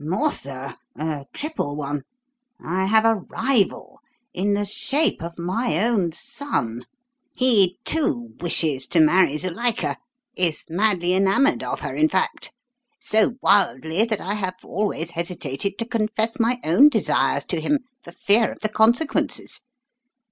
"More, sir a triple one. I have a rival in the shape of my own son. He, too, wishes to marry Zuilika is madly enamoured of her, in fact; so wildly that I have always hesitated to confess my own desires to him for fear of the consequences.